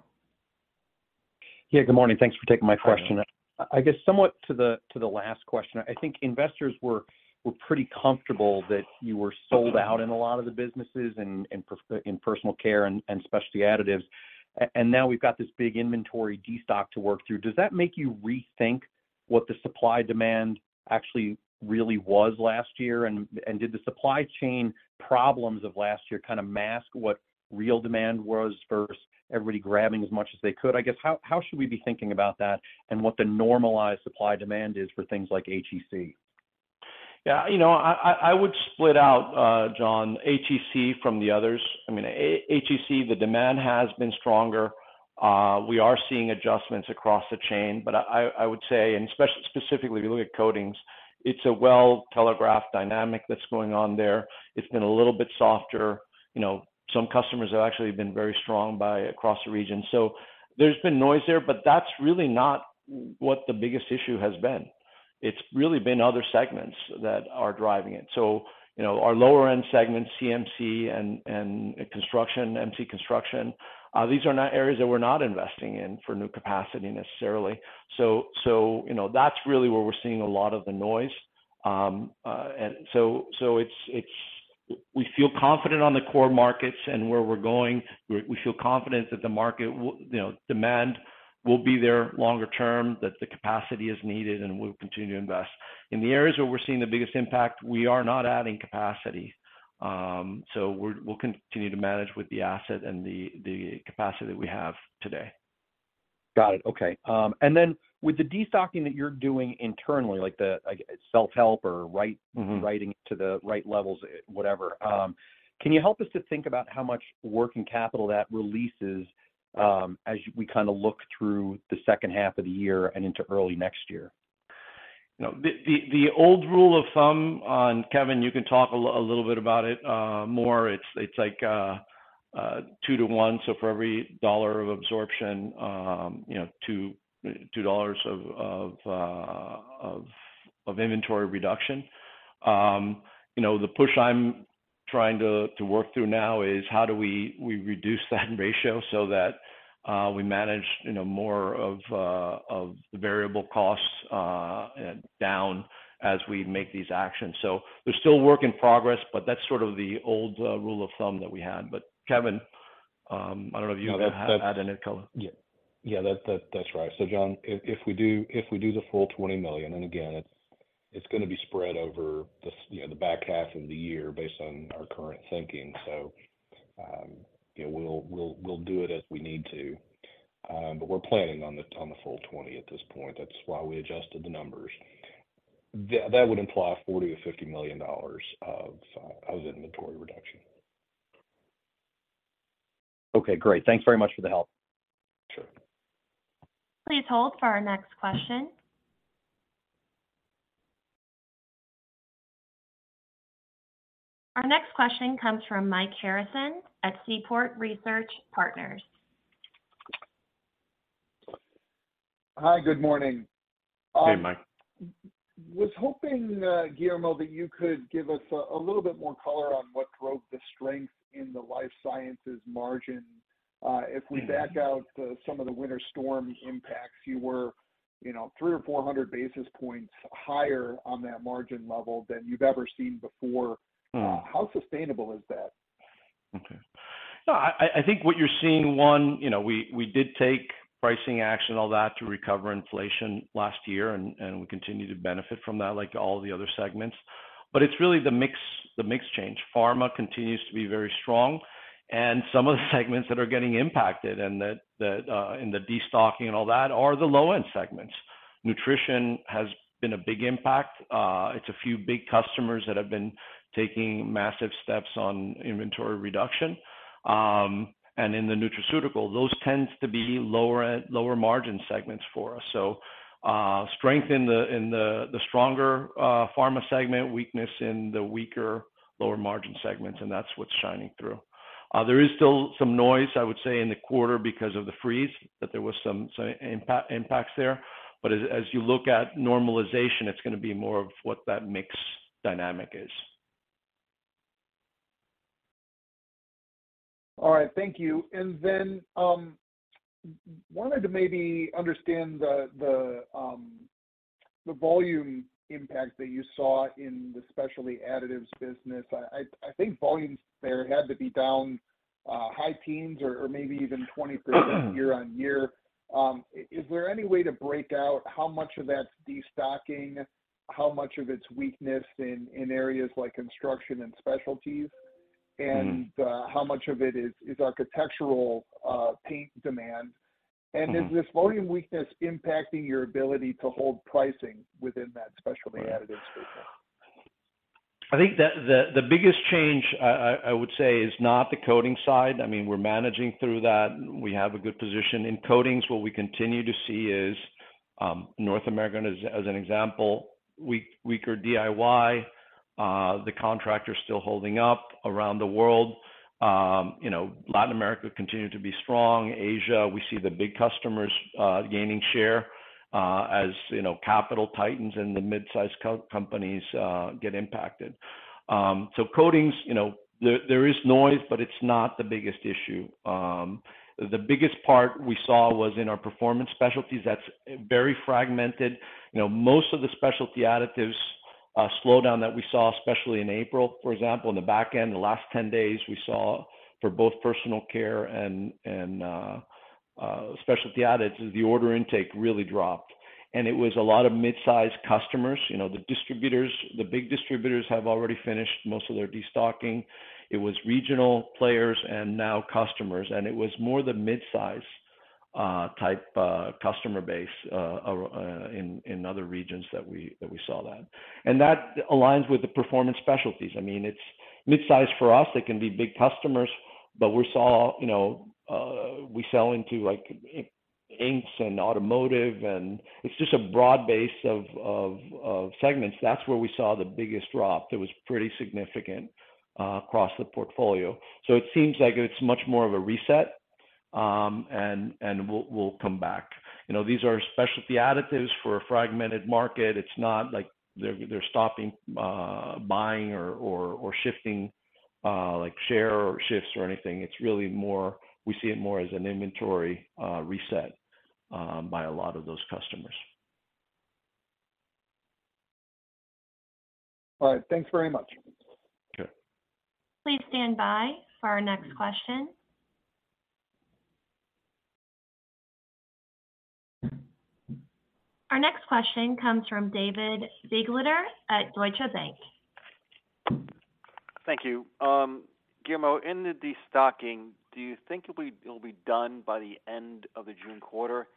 Yeah, good morning. Thanks for taking my question. Hi, John. I guess somewhat to the last question, I think investors were pretty comfortable that you were sold out in a lot of the businesses and in Personal Care and Specialty Additives. Now we've got this big inventory destock to work through. Does that make you rethink what the supply demand actually really was last year? Did the supply chain problems of last year kind of mask what real demand was versus everybody grabbing as much as they could? I guess, how should we be thinking about that and what the normalized supply demand is for things like HEC? You know, I would split out, John, HEC from the others. I mean, HEC, the demand has been stronger. We are seeing adjustments across the chain, but I would say, and specifically if you look at coatings, it's a well-telegraphed dynamic that's going on there. It's been a little bit softer. You know, some customers have actually been very strong across the region. There's been noise there, but that's really not what the biggest issue has been. It's really been other segments that are driving it. You know, our lower end segments, CMC and construction, MC construction, these are not areas that we're not investing in for new capacity necessarily. You know, that's really where we're seeing a lot of the noise. We feel confident on the core markets and where we're going. We feel confident that the market, you know, demand will be there longer term, that the capacity is needed, and we'll continue to invest. In the areas where we're seeing the biggest impact, we are not adding capacity. We'll continue to manage with the asset and the capacity that we have today. Got it. Okay. with the destocking that you're doing internally, like self-help or Mm-hmm writing to the right levels, whatever, can you help us to think about how much working capital that releases, as we kind of look through the second half of the year and into early next year? No. The old rule of thumb on... Kevin Willis, you can talk a little bit about it more. It's like 2 to 1, so for every $1 of absorption, you know, $2 of inventory reduction. You know, the push I'm trying to work through now is how do we reduce that ratio so that we manage, you know, more of the variable costs down as we make these actions. There's still work in progress, but that's sort of the old rule of thumb that we had. Kevin Willis, I don't know if you have had any color. Yeah. That's right. John, if we do the full $20 million, and again, it's gonna be spread over you know, the back half of the year based on our current thinking. You know, we'll do it as we need to. We're planning on the full $20 million at this point. That's why we adjusted the numbers. That would imply $40 million-$50 million of inventory reduction. Okay, great. Thanks very much for the help. Sure. Please hold for our next question. Our next question comes from Mike Harrison at Seaport Research Partners. Hi. Good morning. Hey, Mike. Was hoping, Guillermo, that you could give us a little bit more color on what drove the strength in the Life Sciences margin? Mm-hmm... if we back out the, some of the winter storm impacts, you were, you know, 300 or 400 basis points higher on that margin level than you've ever seen before. Mm. How sustainable is that? No, I think what you're seeing, one, you know, we did take pricing action and all that to recover inflation last year, and we continue to benefit from that like all the other segments. It's really the mix, the mix change. Pharma continues to be very strong, and some of the segments that are getting impacted and that in the destocking and all that are the low-end segments. Nutrition has been a big impact. It's a few big customers that have been taking massive steps on inventory reduction. In the nutraceutical, those tends to be lower margin segments for us. Strength in the stronger pharma segment, weakness in the weaker, lower margin segments, and that's what's shining through. There is still some noise, I would say, in the quarter because of the freeze, that there was some impact, impacts there. As you look at normalization, it's gonna be more of what that mix dynamic is. All right. Thank you. Wanted to maybe understand the volume impact that you saw in the Specialty Additives business. I think volumes there had to be down high teens or maybe even 20% year-over-year. Is there any way to break out how much of that's destocking, how much of it's weakness in areas like construction and specialties? Mm-hmm How much of it is architectural paint demand? Mm-hmm. Is this volume weakness impacting your ability to hold pricing within that Specialty Additives business? I think the biggest change I would say is not the coating side. I mean, we're managing through that. We have a good position in coatings. What we continue to see is North America as an example, weaker DIY. The contractor's still holding up around the world. You know, Latin America continued to be strong. Asia, we see the big customers gaining share as, you know, capital tightens and the mid-sized companies get impacted. Coatings, you know, there is noise, but it's not the biggest issue. The biggest part we saw was in our Performance Specialties that's very fragmented. You know, most of the Specialty Additives slowdown that we saw, especially in April, for example, in the back end, the last 10 days, we saw for both Personal Care and Specialty Additives, the order intake really dropped. It was a lot of mid-sized customers. You know, the distributors, the big distributors have already finished most of their destocking. It was regional players and now customers, and it was more the mid-size type customer base in other regions that we saw that. That aligns with the Performance Specialties. I mean, it's mid-sized for us, they can be big customers, but we saw, you know, we sell into like inks and automotive and it's just a broad base of segments. That's where we saw the biggest drop that was pretty significant across the portfolio. It seems like it's much more of a reset, and will come back. You know, these are specialty additives for a fragmented market. It's not like they're stopping, buying or shifting, like share or shifts or anything. It's really more we see it more as an inventory reset by a lot of those customers. All right. Thanks very much. Okay. Please stand by for our next question. Our next question comes from David Begleiter at Deutsche Bank. Thank you. Guillermo, in the destocking, do you think it'll be done by the end of the June quarter?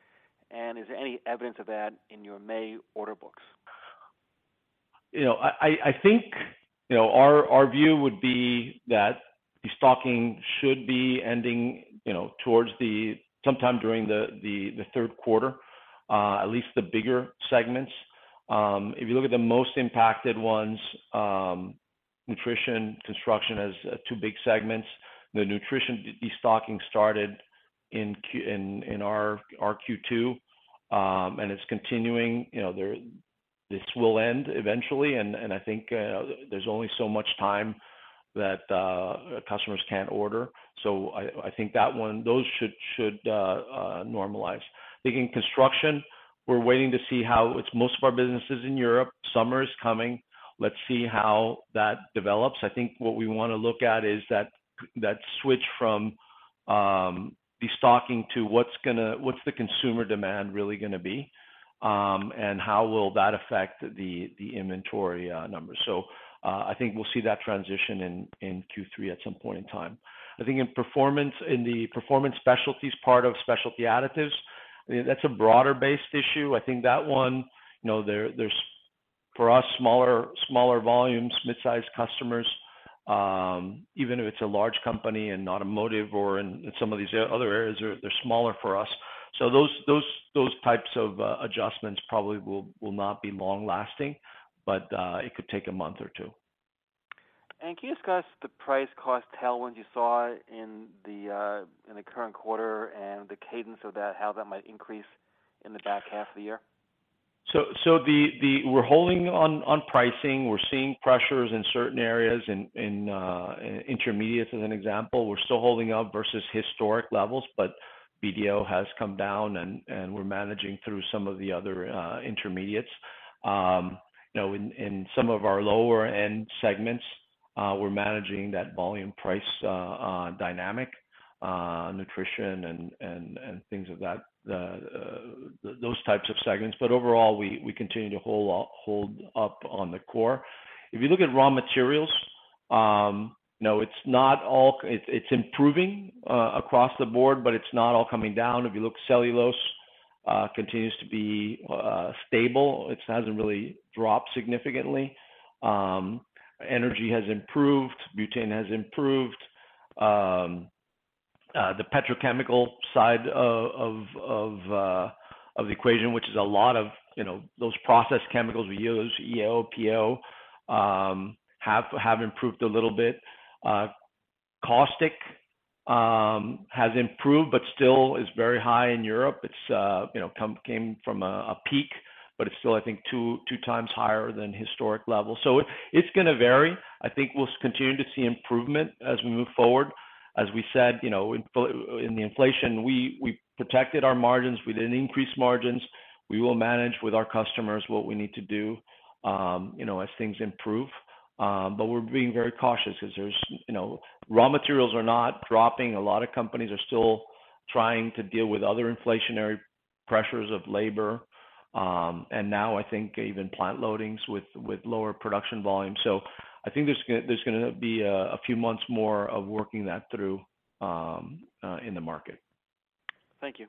Is there any evidence of that in your May order books? You know, our view would be that destocking should be ending, you know, sometime during the Q3, at least the bigger segments. If you look at the most impacted ones, nutrition, construction as two big segments. The nutrition destocking started in our Q2, it's continuing. You know, this will end eventually, I think there's only so much time that customers can't order. I think those should normalize. I think in construction, we're waiting to see how it's most of our businesses in Europe. Summer is coming. Let's see how that develops. I think what we wanna look at is that switch from destocking to what's the consumer demand really gonna be, and how will that affect the inventory numbers. I think we'll see that transition in Q3 at some point in time. I think in the Performance Specialties part of Specialty Additives, that's a broader-based issue. I think that one, you know, there's for us, smaller volumes, mid-sized customers, even if it's a large company in automotive or in some of these other areas, they're smaller for us. Those types of adjustments probably will not be long-lasting, but it could take a month or two. Can you discuss the price cost tailwinds you saw in the current quarter and the cadence of that, how that might increase in the back half of the year? We're holding on pricing. We're seeing pressures in certain areas, in Intermediates as an example. We're still holding up versus historic levels. BDO has come down and we're managing through some of the other Intermediates. You know, in some of our lower-end segments, we're managing that volume price dynamic, nutrition and things of that those types of segments. Overall, we continue to hold up on the core. If you look at raw materials, you know, it's improving across the board. It's not all coming down. If you look, cellulose continues to be stable. It hasn't really dropped significantly. Energy has improved, butane has improved. The petrochemical side of the equation, which is a lot of, you know, those processed chemicals we use, EO, PO, have improved a little bit. Caustic has improved but still is very high in Europe. It's, you know, came from a peak, but it's still, I think, 2x higher than historic levels. It's gonna vary. I think we'll continue to see improvement as we move forward. As we said, you know, in the inflation, we protected our margins. We didn't increase margins. We will manage with our customers what we need to do, you know, as things improve. We're being very cautious 'cause there's, you know, raw materials are not dropping. A lot of companies are still trying to deal with other inflationary pressures of labor, and now I think even plant loadings with lower production volume. I think there's gonna be a few months more of working that through, in the market. Thank you.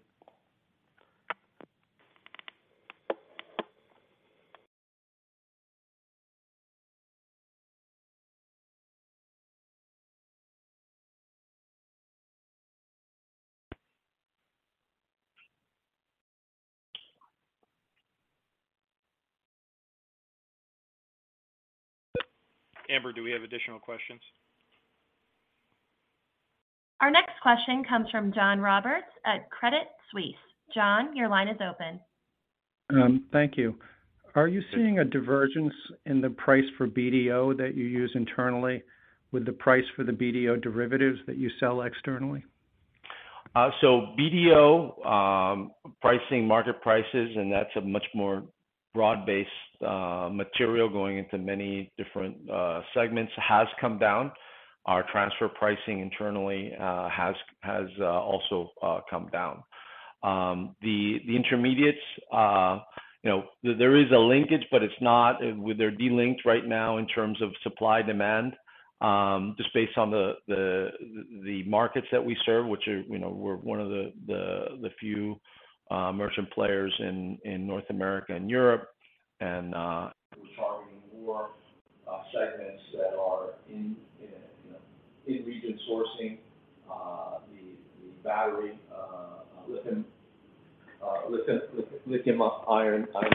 Amber, do we have additional questions? Our next question comes from John Roberts at Credit Suisse. John, your line is open. Thank you. Are you seeing a divergence in the price for BDO that you use internally with the price for the BDO derivatives that you sell externally? BDO, pricing market prices, and that's a much more broad-based, material going into many different, segments, has come down. Our transfer pricing internally, has also come down. The Intermediates, you know, there is a linkage, but they're delinked right now in terms of supply-demand, just based on the markets that we serve, which are, you know, we're one of the few, merchant players in North America and Europe. We're targeting more, segments that are in, you know, in-region sourcing, the battery, lithium-ion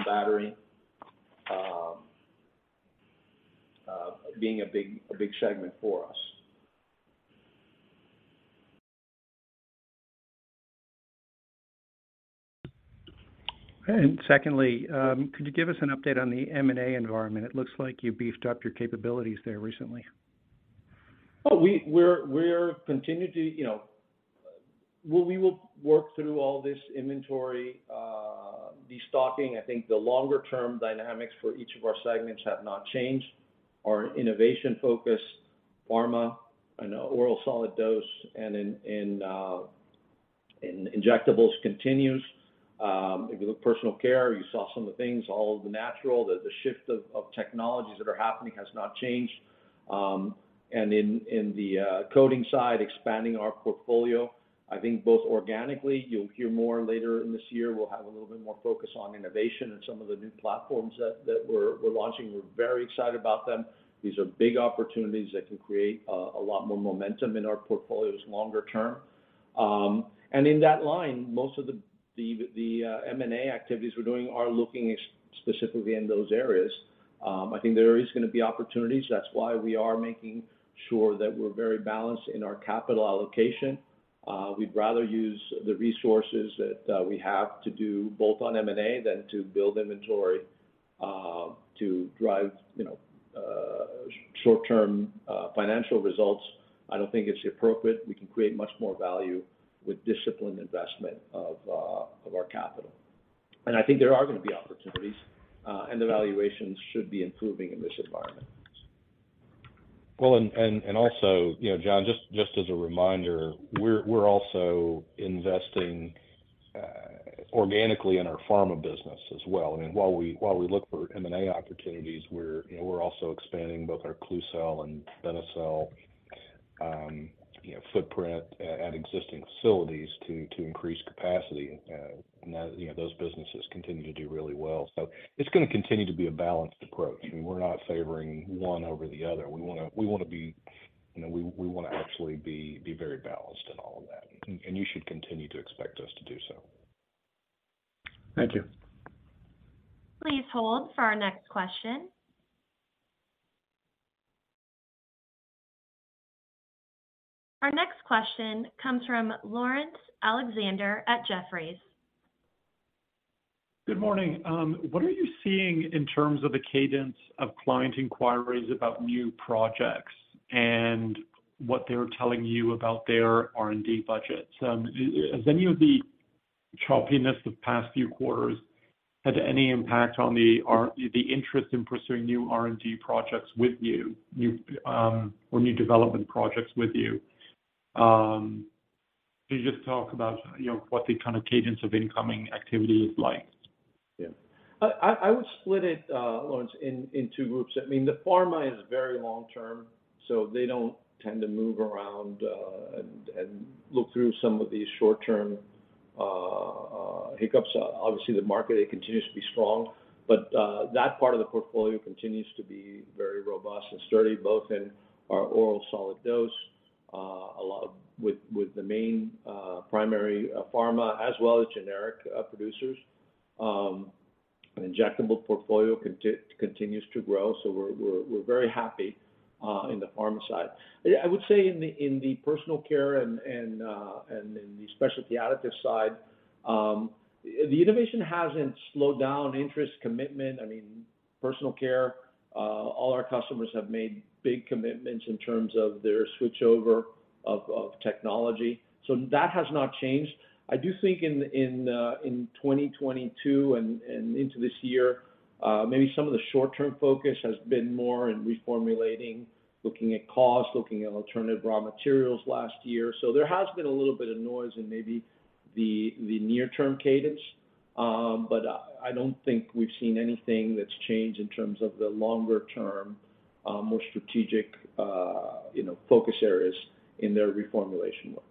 battery, being a big segment for us. Secondly, could you give us an update on the M&A environment? It looks like you beefed up your capabilities there recently. We're continuing to, you know, work through all this inventory destocking. I think the longer-term dynamics for each of our segments have not changed. Our innovation focusPharma and oral solid dose and in injectables continues. If you look Personal Care, you saw some of the things, all of the natural, the shift of technologies that are happening has not changed. In the coating side, expanding our portfolio, I think both organically, you'll hear more later in this year. We'll have a little bit more focus on innovation and some of the new platforms that we're launching. We're very excited about them. These are big opportunities that can create a lot more momentum in our portfolios longer term. In that line, most of the M&A activities we're doing are looking specifically in those areas. I think there is gonna be opportunities. That's why we are making sure that we're very balanced in our capital allocation. We'd rather use the resources that we have to do both on M&A than to build inventory to drive, you know, short-term financial results. I don't think it's appropriate. We can create much more value with disciplined investment of our capital. I think there are gonna be opportunities, and the valuations should be improving in this environment. Well, also, you know, John, just as a reminder, we're also investing organically in our pharma business as well. I mean, while we look for M&A opportunities, we're, you know, we're also expanding both our Klucel and Benecel, you know, footprint at existing facilities to increase capacity. You know, those businesses continue to do really well. It's gonna continue to be a balanced approach, and we're not favoring one over the other. We wanna be, you know, we wanna actually be very balanced in all of that. You should continue to expect us to do so. Thank you. Please hold for our next question. Our next question comes from Laurence Alexander at Jefferies. Good morning. What are you seeing in terms of the cadence of client inquiries about new projects and what they're telling you about their R&D budgets? Has any of the choppiness of past few quarters had any impact on the interest in pursuing new R&D projects with you, new, or new development projects with you? Can you just talk about, you know, what the kind of cadence of incoming activity is like? Yeah. I would split it, Laurence, in two groups. I mean, the pharma is very long term, so they don't tend to move around and look through some of these short term hiccups. Obviously, the market, it continues to be strong. That part of the portfolio continues to be very robust and sturdy, both in our oral solid dose, with the main primary pharma as well as generic producers. An injectable portfolio continues to grow, so we're very happy in the pharma side. I would say in the Personal Care and in the Specialty Additives side, the innovation hasn't slowed down interest, commitment. I mean, Personal Care, all our customers have made big commitments in terms of their switchover of technology. That has not changed. I do think in 2022 and into this year, maybe some of the short-term focus has been more in reformulating, looking at cost, looking at alternative raw materials last year. There has been a little bit of noise in maybe the near-term cadence. I don't think we've seen anything that's changed in terms of the longer term, more strategic, you know, focus areas in their reformulation work.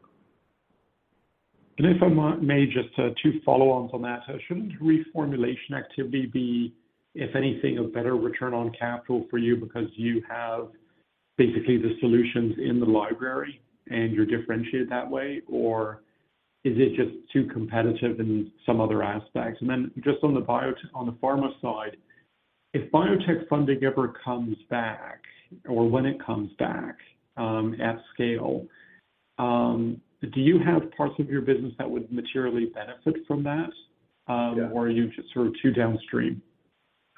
If I might, may just, two follow-ons on that. Shouldn't reformulation activity be, if anything, a better return on capital for you because you have basically the solutions in the library and you're differentiated that way? Or is it just too competitive in some other aspects? Just on the pharma side, if biotech funding ever comes back or when it comes back, at scale, do you have parts of your business that would materially benefit from that? Yeah. Are you just sort of too downstream?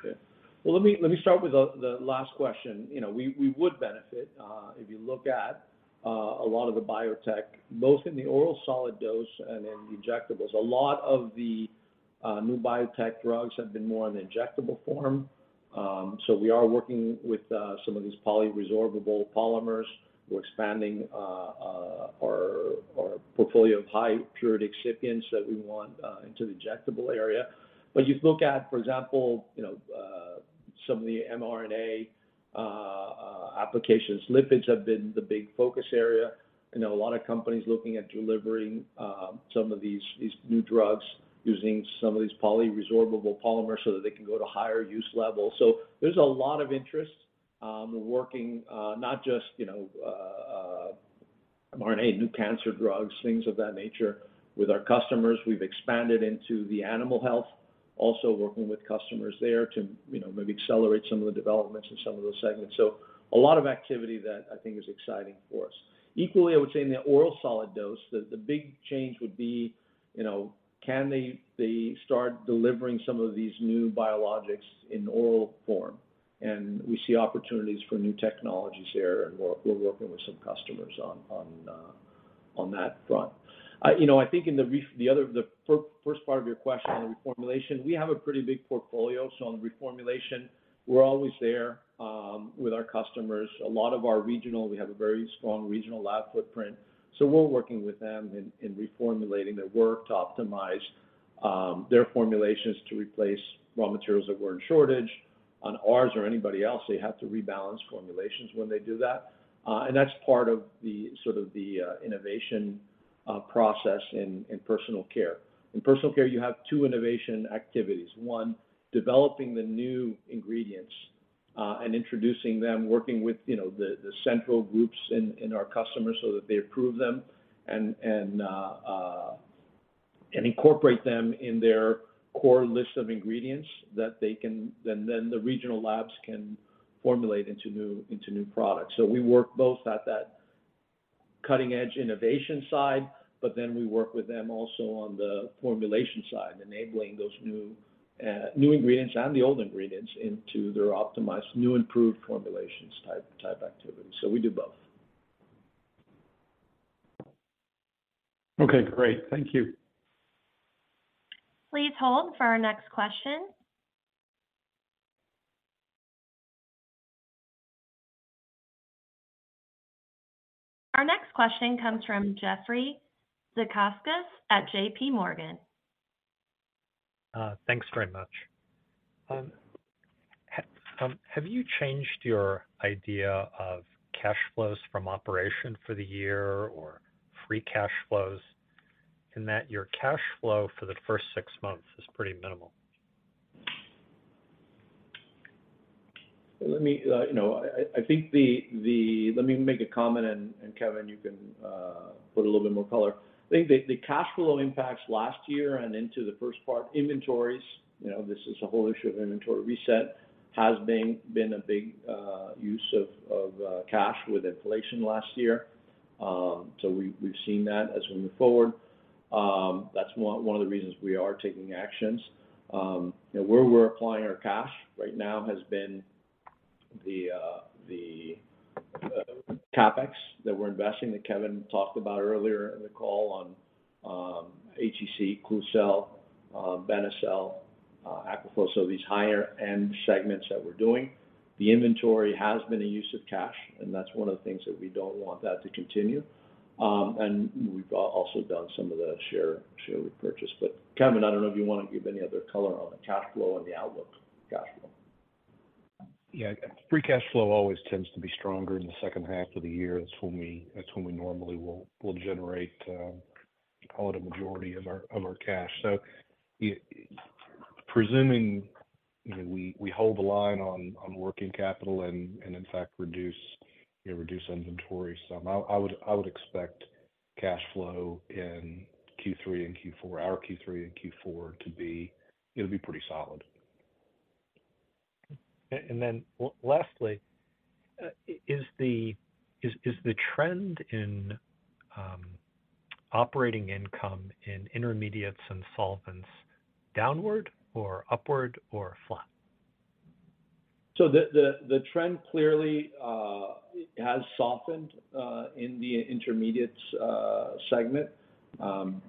Okay. Well, let me start with the last question. You know, we would benefit, if you look at a lot of the biotech, both in the oral solid dose and in the injectables. A lot of the new biotech drugs have been more in injectable form. We are working with some of these bioresorbable polymers. We're expanding our portfolio of high purity excipients that we want into the injectable area. You look at, for example, you know, some of the mRNA applications, lipids have been the big focus area. I know a lot of companies looking at delivering some of these new drugs using some of these bioresorbable polymers so that they can go to higher use levels. There's a lot of interest, working, not just, you know, mRNA, new cancer drugs, things of that nature with our customers. We've expanded into the animal health, also working with customers there to, you know, maybe accelerate some of the developments in some of those segments. A lot of activity that I think is exciting for us. Equally, I would say in the oral solid dose, the big change would be, you know, can they start delivering some of these new biologics in oral form? We see opportunities for new technologies there, and we're working with some customers on that front. You know, I think in the other, the first part of your question on reformulation, we have a pretty big portfolio. On reformulation, we're always there with our customers. A lot of our regional, we have a very strong regional lab footprint, so we're working with them in reformulating their work to optimize their formulations to replace raw materials that were in shortage on ours or anybody else. They have to rebalance formulations when they do that. That's part of the sort of the innovation process in personal care. In personal care, you have two innovation activities. One, developing the new ingredients and introducing them, working with, you know, the central groups and our customers so that they approve them and incorporate them in their core list of ingredients that they can. Then the regional labs can formulate into new products. We work both at that cutting-edge innovation side, but then we work with them also on the formulation side, enabling those new ingredients and the old ingredients into their optimized, new improved formulations type activity. We do both. Okay, great. Thank you. Please hold for our next question. Our next question comes from Jeffrey Zekauskas at J.P. Morgan. Thanks very much. Have you changed your idea of cash flows from operation for the year or free cash flows in that your cash flow for the first 6 months is pretty minimal? Let me, you know, I think the Let me make a comment, and Kevin, you can put a little bit more color. I think the cash flow impacts last year and into the first part, inventories, you know, this is a whole issue of inventory reset, has been a big use of cash with inflation last year. We've seen that as we move forward. That's one of the reasons we are taking actions. You know, where we're applying our cash right now has been the CapEx that we're investing, that Kevin talked about earlier in the call on HEC, Klucel, Benecel, Aquaflow. These higher end segments that we're doing. The inventory has been a use of cash, and that's one of the things that we don't want that to continue. We've also done some of the share repurchase. Kevin, I don't know if you wanna give any other color on the cash flow and the outlook cash flow. Yeah. Free cash flow always tends to be stronger in the second half of the year. That's when we normally will generate, call it a majority of our cash. Presuming, you know, we hold the line on working capital and in fact, reduce, you know, reduce inventory some, I would expect cash flow in Q3 and Q4, our Q3 and Q4 to be. It'll be pretty solid. Lastly, is the trend in operating income in Intermediates and solvents downward or upward or flat? The trend clearly, it has softened in the Intermediates segment.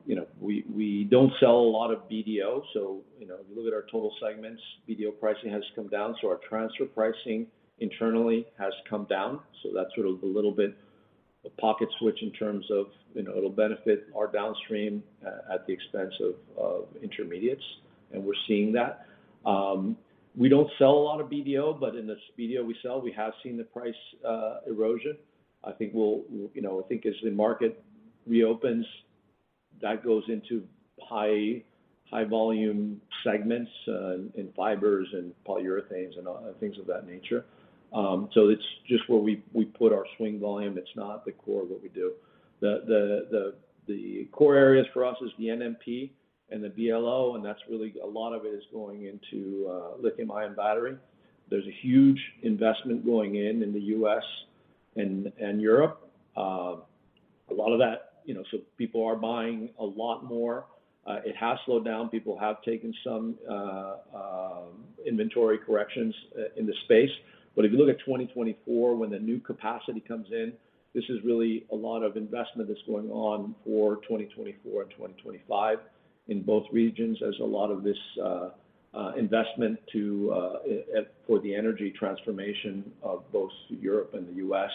You know, we don't sell a lot of BDO, so you know, if you look at our total segments, BDO pricing has come down, so our transfer pricing internally has come down. That's sort of a little bit a pocket switch in terms of, you know, it'll benefit our downstream at the expense of Intermediates, and we're seeing that. We don't sell a lot of BDO, but in the BDO we sell, we have seen the price erosion. I think we'll, you know, I think as the market reopens, that goes into high volume segments in fibers and polyurethanes and other things of that nature. It's just where we put our swing volume. It's not the core of what we do. The core areas for us is the NMP and the BLO. That's really a lot of it is going into lithium-ion battery. There's a huge investment going in the U.S. and Europe. A lot of that, you know, people are buying a lot more. It has slowed down. People have taken some inventory corrections in the space. If you look at 2024 when the new capacity comes in, this is really a lot of investment that's going on for 2024 and 2025 in both regions. There's a lot of this investment for the energy transformation of both Europe and the U.S.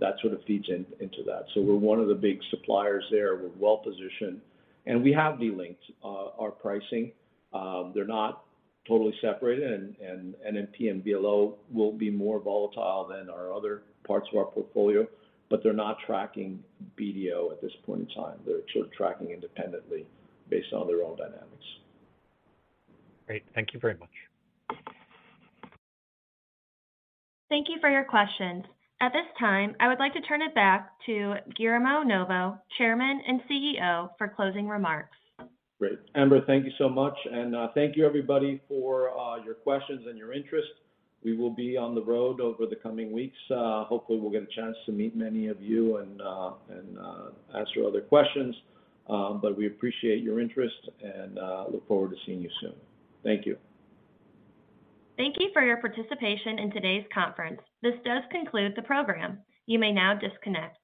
that sort of feeds into that. We're one of the big suppliers there. We're well-positioned, and we have delinked our pricing. They're not totally separated and NMP and BLO will be more volatile than our other parts of our portfolio, but they're not tracking BDO at this point in time. They're sort of tracking independently based on their own dynamics. Great. Thank you very much. Thank you for your questions. At this time, I would like to turn it back to Guillermo Novo, Chairman and CEO, for closing remarks. Great. Amber, thank you so much, and thank you everybody for your questions and your interest. We will be on the road over the coming weeks. Hopefully we'll get a chance to meet many of you and answer your other questions. We appreciate your interest and look forward to seeing you soon. Thank you. Thank you for your participation in today's conference. This does conclude the program. You may now disconnect.